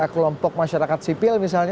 kelompok masyarakat sipil misalnya